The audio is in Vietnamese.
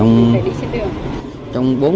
mấy ngày thì đẩy đi trên đường